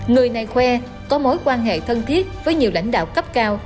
người này khoe có mối quan hệ thân thiết với nhiều lãnh đạo cấp cao